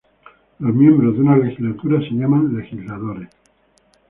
Los miembros de una legislatura se llaman legisladores.